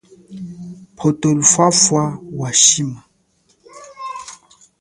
Pwota luphapha wa shima.